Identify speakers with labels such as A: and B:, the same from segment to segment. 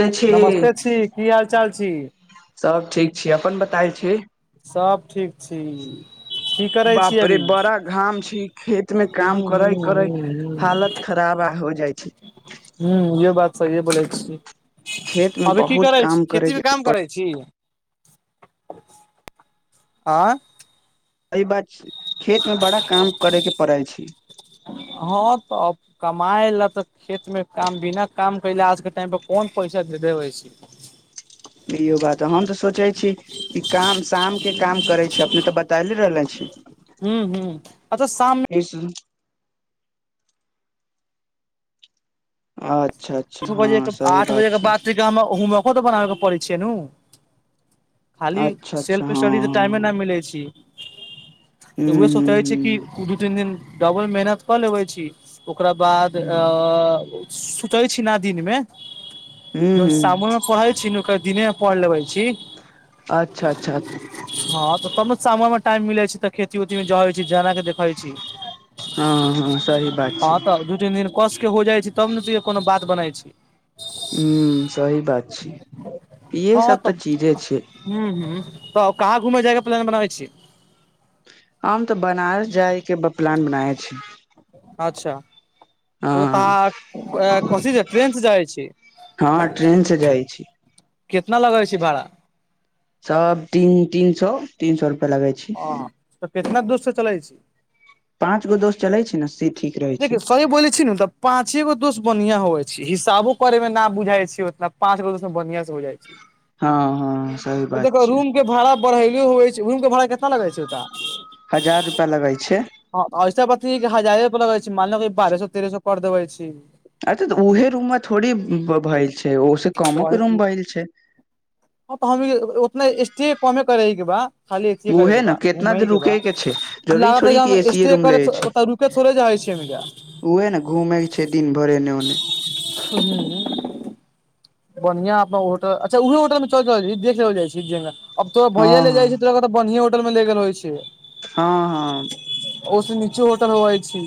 A: के छी,
B: नमस्ते छी की हाल चाल छी
A: सभ ठीक? छी, अपन बताय छी।
B: सब ठीक छी की करै छी
A: बाप रे,
B: अभी
A: बड़ा घाम छै, खेतमे काम
B: हूँ हूँ
A: करै-करै
B: हूँ हूँ
A: हालत। खराब भऽ जाइ छै।
B: हूँ, इहो बात सहीए बोलै छी,
A: खेत में
B: अभी की
A: बहुत
B: करै छी,
A: काम करे
B: खेतीमे
A: के
B: काम
A: पड़
B: करै छी। [unintelligible] आँ?
A: एहि बात, खेतमे बड़ा काम करऽ पड़ै छै।
B: हँ तऽ। कमाइ लेल तऽ खेतमे काम बिना काम केलऽ आजक टाइमपर कोन पैसा देतै छै?
A: [unintelligible] इहो बात हँ। हम तऽ सोचै छी कि काम शामक काम करै छै, अपने तऽ बच। ताहि लेल रहले छी।
B: हूँ हूँ। अतऽ साम।
A: [unintelligible] अच्छा अच्छा,
B: आठ बजे
A: हँ,
B: के
A: सही
B: आठ
A: बात
B: बजे
A: छी।
B: [unintelligible] बनाबे के पड़ै छैयै नू खाली
A: अच्छा अच्छा
B: सेल्फ
A: हँ
B: स्टडी तऽ टाइम
A: हँ
B: नहि मिलै छै।
A: हू
B: तऽ ओहि सोचै छै कि दू-तीन दिन डबल मेहनत कऽ लेबै छी। ओकरा बाद
A: हू
B: तऽ सुतै छी ने दिनमे।
A: हू हू हू
B: सामनेमे पढ़ल छी, नहि दिनेमे पढ़ि लेबै छी।
A: अच्छा, अच्छा
B: हँ तऽ, तब ने शाममे टाइम मिलै छै तऽ खेती ओतीमे जाइ छै जेना के। हइ छी
A: सही बात
B: हँ,
A: छै
B: तऽ दू-तीन दिन। कसके हो जाइ छै, तब ने तइयो कोनो बात बनै छै।
A: हँ, सही बात छै, इहे सभ तऽ चीजे छै।
B: हँ हँ, तऽ कहाँ घुमऽ जायके प्लान बनाबै छीयै?
A: हम तऽ बनारस जाइके प्लान बनाबै छी।
B: अच्छा। ओ
A: ह
B: तऽ अहाँ कथिसँ ट्रेनसँ जाइ छी?
A: हँ ट्रेन से जाइ छी
B: कितना लगय छी भाड़ा?
A: सभ तीन-तीन सए, तीन-तीन सए रुपआ लगै छै।
B: ह तऽ कितना दूर से चलै छी?
A: पाँच गो दोस्त चलै छै ने, शीत।
B: देखौ, सही बोलै छियै ने तऽ? पाँचे गो दोस्त बढ़िया होवऽ छै हिसाबो करे मे न बुझायई छैे उतना पाचगो दोस्तं बढ़िया से हो जाय छै
A: हँ हँ सही
B: आ
A: बात
B: देखो
A: छै
B: रूम के भाड़ा बढ़ेलो हो छै रूम के भाड़ा कितना लगे छै ओतऽ
A: हजार रुपआ लगै छै
B: हँ ऐसा पति हजारे रुपया लगै छै मानल बारह सए तेह सए कर देबै छी
A: अरे तऽ ऊहे रूम मे थोड़ी भेलल छै ओस कमो
B: वही
A: के रूम भेलल छै
B: हँ तऽ हम उतना स्टे कमे करेगी बा खालीे अथीये
A: उहे
B: करेके
A: ने
B: बा घूम
A: केितना देर
B: के बा
A: रुके छै जरूरी
B: लागऽतऽ
A: थोड़ी कि एसीए रूम ले छै
B: [unintelligible]
A: उहे ने घूमे के छै दिन भरि एने ओने
B: [inaudible] बढ़िया अपना होटल अच्छा उह होटल में चलल देख जाइ अब तोरा भैया
A: हँ
B: ले
A: हँ
B: जाइ छ तऽ बढ़ियए होटल में ल गेल होइ छै
A: हँ हँ
B: ओ से नीचे होटल होवई छी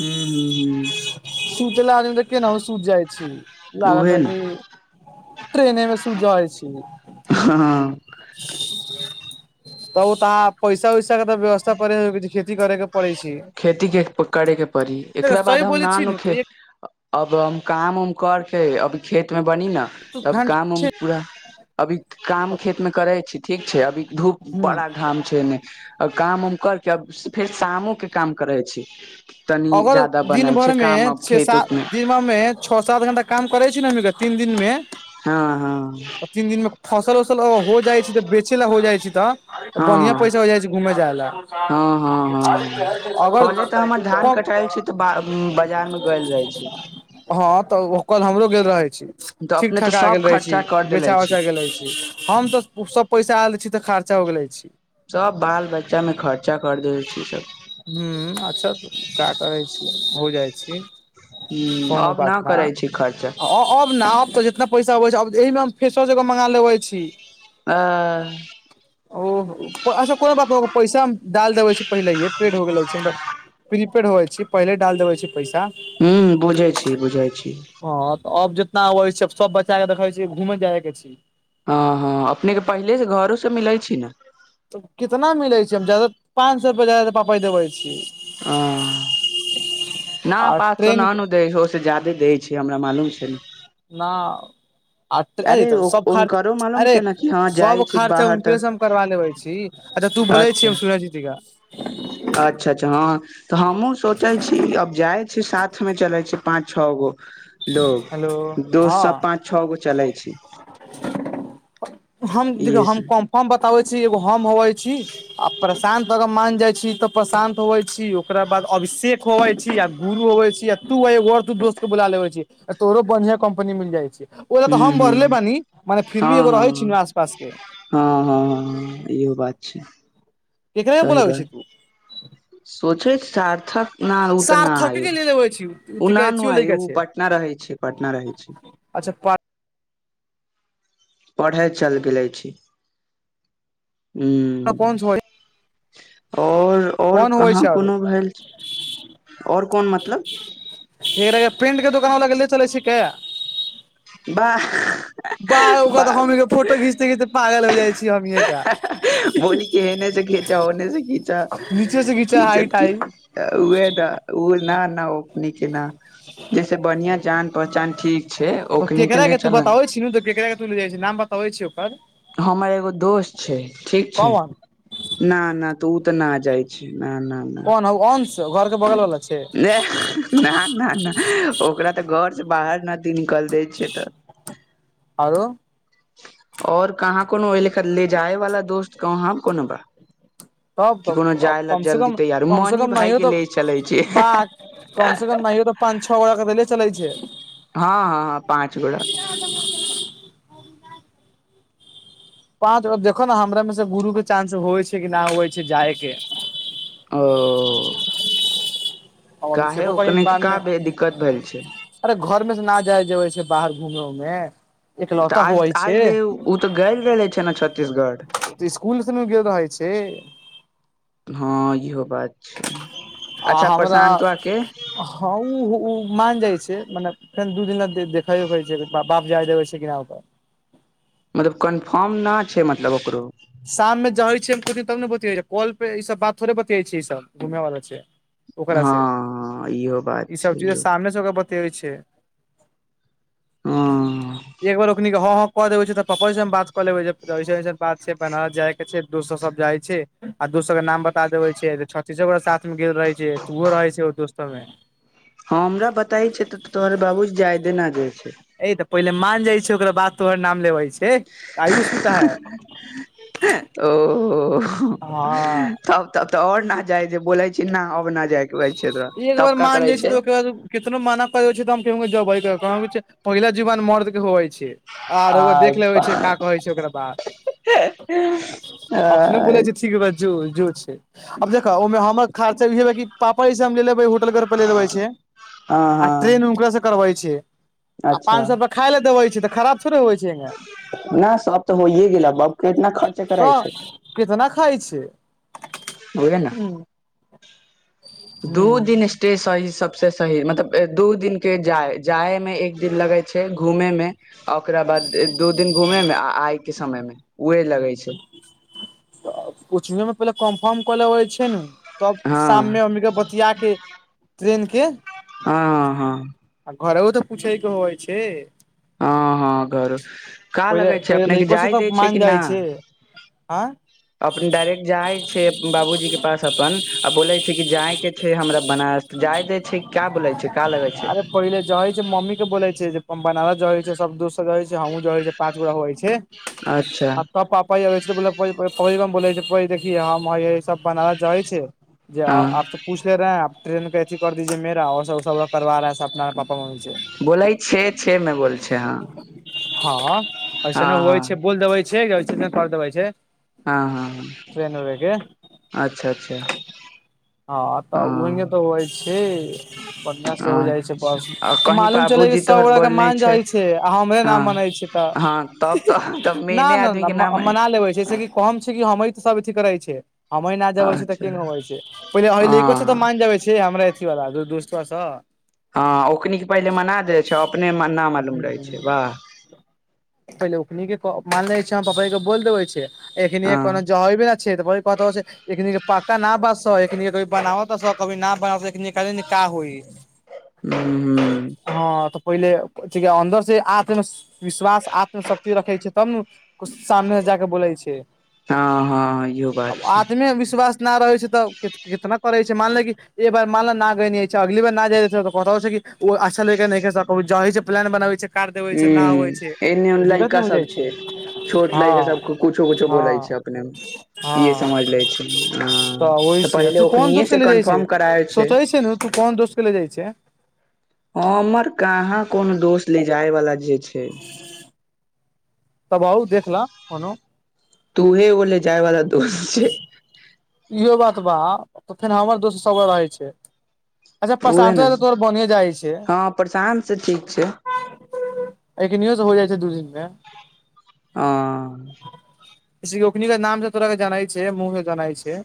A: हूँ हू हू
B: सुत लाग तऽ केना हो सुत जाइ छी
A: हूँ
B: लाग
A: उहे
B: तऽ
A: ने
B: कि ट्रेन एमे सु जाइ छ
A: हँ
B: त ओ त पैसा उइसा क तऽ व्यवस कर खेति करैके पड़ै छै
A: खेतीके करयके पड़ी
B: देखो
A: एकरा बाद
B: सही
A: हम
B: बोलै
A: न
B: छी
A: आनू
B: ने
A: खे
B: तऽ
A: अब हम काम उम करके अभ खेत मे बनी न
B: एक
A: तब काम उम
B: घंटा
A: पूरा अभी काम खेत में करै छी ठीक छै अभी धूप
B: ह
A: बड़ा घाम छै ने काम उम करके फेर शामो के काम करै छी तनी
B: अगर
A: ज्यादा
B: दिन
A: बनाइ छै
B: भर मे
A: काम आब
B: छे
A: खेत
B: सात
A: उतमें
B: दिन मे छओ सात घंटा काम करै छी ने हम तीन दिन मे
A: हँ हँ
B: तीन दिन मेँ फसल उसल हो जाइ छै तऽ बेचे ला हो जाइ छै तऽ बढ़िआँ
A: हँ
B: पैसा हो जाइ छै घूमय जाय ल
A: हँ हँ
B: अगर कम
A: कटाल छी तऽ बाजार में गैल रहे छी
B: हँ तऽ ओ कल हमरो गेल रहे छी
A: तऽ
B: ठीक
A: अपने तऽ
B: ठका आ
A: सब
B: गेल रहै छी
A: खर्चा कर देले
B: बेचा
A: छी
B: उचा गेल रहै छी हम तऽ उ सब पैसा आ द छै तऽ खर्चा हो गेले छी
A: सब बाल बच्चा में खर्चा कर देबै छी सब
B: हू अच्छा का करै छी हो जाइ छी कोनो
A: अब
B: बात
A: न
B: ना
A: करै छी खर्चा
B: अब न अब तऽ जितना पैसा अबै छै आ एहिमे हम फेसो सबजग मंगा लेबै छी
A: आ [inaudible]
B: ओ अच्छा कोनो बात पैसा डाल देबे छै पहिलेे पेड हो गेलै छी प्रीपेड होवे छै पहिले डाल देेवय छै पैसा
A: हूँ बुझै छी बुझै छी
B: हँ तऽ अब जितना अबै छै सब बच्चा के देखै छी घूमे जाय के छी
A: हँ हँ अपनेके पहिलेसँ घरोसँ मिलैत छी ने
B: त कितना मिलै छै हम जादा पाँच सए रुपआ जादा पापा देबै छी
A: [inaudible] न
B: आ
A: पाँच सए
B: ट्रेन
A: नान
B: के
A: दै छै ओहिस ज्यदे दै छै हमरा मालूम छै न
B: नाउ आ अरे त सब खर्च
A: हुनकरो मालूम
B: अरे
A: छै ने कि हँ जाइ
B: सब
A: छी
B: खर्चा
A: बाहर तऽ
B: उनकरे से हम करबा लेबे छी अच्छा तू बोलै छी
A: अच्छा
B: सुनै दिका
A: अच्छा अच्छा हँ तऽ हमहूँ सोचै छी अब जाइ छी साथमे चलै छै पाँच छओ गो
B: हेलो
A: लोग दो
B: हँ
A: स पाच छओ गो चलै छी
B: हम देख
A: इहे
B: हम
A: सब
B: कम हम बताबे छी एगो हम होवै छी आ प्रशांत अगर मान जाइ छी तऽ प्रशांत होवै छी ओक बाद अभिषेेक होवे छी य गुरु होवे छी तू तू दोस्त के बोला लेवे तोरो बढ़ियां कम्पनी मिल जाइ छी ओहि ल तऽ
A: हूं
B: हम बढ़ले
A: हूं
B: बानी मने फिर भी
A: हँ
B: एगो रहै छै
A: हँ
B: आसपास के
A: हँ हँ इहो बात छैय
B: एकरे बोला के छै
A: सोचे सार्थक न आ तऽ न आयू
B: देब [inaudible]
A: उना न आइ ओ पटना रहै छी पटना रहै छी
B: अच्छा पट
A: पढ़ै चलि गेले छी हू
B: कोन होइ
A: आओर आओर
B: कोन होइ
A: कहाँ
B: छै आरो
A: कोनो भेल आओर कोन मतलब
B: ककरा के प्रेंट के द दुोकान वला ग गेलदी [inaudible] चलै छिकै
A: बाह
B: बा ओका तऽ
A: बाह
B: हमही के फोटो घींचते खीचते पागल हो जाइ छी हमीके
A: बोली क एने से खीचा ओने से खीचा
B: नीचे से घीचा हाइ
A: खीचत की
B: टाइ
A: उहे न ओ न ना ओ न के न जैसे बढ़िआं जान पहचान ठीक छैय
B: केकरा के तू बताबै छ न त केकरा के तू ले जाइ छै नाम बताबै छी ओकर
A: हमा एगो दोस्त छैय ठीक छैय
B: कौन
A: ना ना उ तऽ नहि जाइ छै न नहि
B: [inaudible] घरके बगल बला
A: ना ना ना ओकरा तऽ घर से बाहर न निकल दैय छैय तऽ
B: आओरो
A: और कहाँ कोनो ओहि लेा ले जाय वाला दोस्त कहाँ कोनो बा
B: तब
A: कि कोनो
B: तब
A: जाय ला
B: कम से
A: जल्दी
B: कम
A: तैयार
B: कम से
A: मनी
B: कम नहि
A: भाय
B: हो
A: के
B: तऽ
A: ले चले छी हँ
B: बा कम से कम नहिय त पाँच छओ गोरे के दै ले चलै छै
A: हँ हँ हँ पाँच गोरे
B: पाँच बेर देखो ने हमरा मे से गुरु के चानंस होइ छै कि नहि होइ छै जाय के
A: ओ
B: [unintelligible]
A: काहे
B: कही
A: ओकने
B: बाद मे
A: का दिक्कत भेल छै
B: अरे घर मे से न जाय जेबै छै बाहर घूमों ल
A: तऽ
B: एकलौता
A: आज
B: होवै छै
A: आज ले ओ त गइल रहले छै ने छत्तीसगढ़
B: स्कुल स न गेल रहे छै
A: हँ इहो बात छै
B: आ
A: अच्छा
B: हमरा
A: प्रशांतआ के
B: हँ ओ मान जाय छै मने फेन दू दिना देखे उखे छै बाप जाइ देैवै छै की ना ओतय
A: मतलब कन्फर्म ना छैय मतलब ओकरो
B: शाम मे ज छ तब ने बत काल पे ई सबात थोड़े बत छै ई सब घूमे वाला छै ओकरा
A: हँ
B: से
A: इहो बात
B: ई सब
A: छै
B: चीज
A: इहो
B: सामने सबके बतेबै छै
A: हँ
B: एक बेर ओखनी के हं हं कऽ देबै छैय तऽ पपा बात कऽ लेबैसन अन बात छैय बनारस जाय के छै दोस्तर सब जाय छैय आ दोस्त सब के नाम बता देबे छिये त छीसक साथ मे गेल रहे छिये त ओहो रहे छै दोस्तो मे
A: हँ हमरा बताई छै त तोहरे बाबूजी जायदे न जाए छै
B: ए त पहिले मान जाइ छै ओकरा बाद तोहर नाम लेबै छै आयुष्विता है
A: ओहो
B: हँ
A: तब त और न जाय जे बोले छी न अब न जाय
B: एक बार मान जाइ छै त ओकर बाद कितनो माना कर छै त हम के जबै कह पहिला जीवन मर्द के होवे छै हँ रउआ देख ले होइ छै
A: आ
B: का कहै छै ओकरा बाद अपने बुले
A: हँ
B: छी ठीक बात जो जो छै अब देख ओहिमे हमर खर्चा इे है की पापाजी सँ हम लेे लेब होटल घर पर ले लेबै छै आ ट्रेन
A: हँ
B: हुकरा स करबै छै आ
A: अच्छा
B: पाँच सौ रुपया खाय ल देवे छै त खराब थोड़े हो छैगे
A: नहि सब त होइए गेल बाप के इतना खर्चा कराय छै
B: तऽ कितना खाए छै
A: ओए न
B: हूँ
A: दू दिन ते सही सबसे सही मतलब दू दिन के जाय जाय में एक दिन लगे छै घूमे में ओकरा बाद दू दिन घूमे में आ आय के समय में उए लगे छै
B: कोचिंगे में पहिले कन्फर्म कले छै ने तब
A: हँ
B: शाम में हमनी के बतिया के ट्रेन के
A: हँ हं हँ
B: आ घरहु त पूछैके होइ छ
A: हं हँ घर का
B: पहिले
A: लगै छै
B: पहिले
A: अपनेके
B: लैको से
A: जाय दै
B: तऽ
A: छै
B: मान
A: कि न
B: जाइ छै आँ
A: अपन डायरेक्ट जाय छै बाबूजी के पास अपन आ बोले छै कि जाय छै हमरा बनारस जाय द छै क्या बोले छै का लगै छै
B: अरे पहिले जाय मम्मी के बोेले छै जे हम बनारस जा होइ छै सब दो रहे छै हमहूँ जा पाँच गो होइ छै
A: अच्छा
B: आ त [unintelligible] ल बना जाइ छै जे
A: हँ
B: आपसे पूछ ले रहे ट्रेन कैसिंल कर दीजिये मेरा ओर सब सभ करवा रहा है सब अपना पापा मम्मी से
A: बोलै छै छै में बोल छै हँ
B: हँ
A: हँ
B: ऐसे ने होइ
A: हँ
B: छै बोल देबै छै ऐसेने कर देबै छ
A: हँ हँ हँ अच्छा अच्छा
B: हँ त ओह त
A: हँ
B: होइ छै पटना से हो जाइ छै बस
A: अच्छा कहीं
B: मालूम चलै छै
A: बाबूजी
B: सब
A: तोहर
B: गोरे के
A: बोलने
B: मान जाइ छै आ हमरे न
A: हँ
B: मानै छै तऽ
A: हँ तब तऽ तब
B: ना
A: मेने
B: न
A: आदमी
B: ना
A: के नाम मनै
B: मना
A: छै
B: लेबै जैसेकी कम छै कि हम सब अथी करै छै हमे न जबै छै तऽ
A: अच्छा
B: के होइ छै पहिलने अहिल को छ तऽ
A: हँ
B: मानबै छै हमरा ऐसीवला दू दोस्तो छै
A: हँ ओकनीके पहिले मना दै छै अपने न मालूम रहै
B: हूँ
A: छै वाह
B: पहिले ओखनी [unintelligible] के मान छै हम पपा के बोल देबे छै एखन
A: हँ
B: कोनो जबी ने से तऽ बल कथब छै [unintelligible] एकनी के पक [unintelligible] का ना बच एक क बनाब त कभी बना कालिन का होइ
A: हूँ
B: हँ तऽ पहिले अन्दर से आत्म विश्वास आत्मशक्ति रखै छै तब ने कुछ सामने से जाक बोलै छै
A: हँ हँ इहो बात छै
B: में विश्वास कितना रहै छै तऽ कितना करै छै मानले एक बार मानल न गे छै अगली बार न जा त क छै ओ अच्छा लइका सन के नहि छै प्लान बनाबै छै काट देबै छै न होवै छै
A: ह एने
B: दिक्कत
A: लड़का
B: नहि हो जाइ
A: सब
B: छै
A: छोट लैका सब कुछो
B: हँ
A: कुछो बोलै छै
B: हँ
A: अपने ई
B: हँ
A: समझ ले छै हँ
B: तऽ ओहि छै
A: पहिले
B: तू कोन
A: ओखनिये
B: दोस्त के
A: से
B: ले जाइ छै
A: कन्फर्म कराय
B: सोचै छै ने तू कोन दोस्त चल जाइ छै
A: हमर कहाँ कोनो दोस्त ले जाए वाला जे छै
B: तब बहुत देखला कोनो
A: तू हे एगोले जाय बला [unintelligible]
B: इहो बात बा तऽ फेर हमर दोस्त सबगो रहै छै अच्छा
A: उहे
B: पशानस
A: ने
B: त तोर बनिए जाइ छै
A: हँ प्रशांत से ठीक छै
B: [unintelligible] एखनो से हो जाइ छै दू दिन मे
A: आँ
B: से ओखनीके नाम तोरा के जानै छै मुह जनाई छै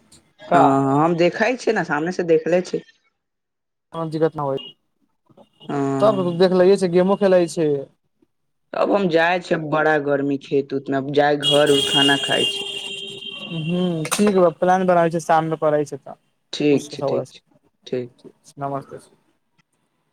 A: हँ
B: का
A: हम देखै छियै ने सामने से देखले छी
B: को दिक्कत न हो
A: हँ
B: तब देख ल छै गेमो खेलै छै
A: अब हम जाइ छै बड़ा गर्मी छैत उत मे जाय घर उर खाना खाय छै
B: ह कीहो प्लान बनाबै छै सामने करै छै तऽ
A: ठीक
B: खुछकेर
A: छै ठीक छै ठीक
B: नमस्ते [unintelligible]